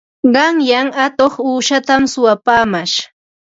Qanyan atuq uushatam suwapaamash.